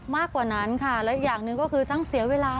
มากกว่านั้นค่ะและอีกอย่างหนึ่งก็คือทั้งเสียเวลา